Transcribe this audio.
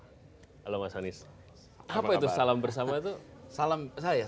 halo mas anies apa itu salam bersama tuh